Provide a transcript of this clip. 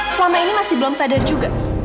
selama ini masih belum sadar juga